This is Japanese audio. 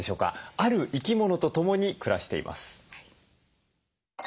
ある生き物と共に暮らしています。